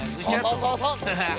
そうそうそうそう！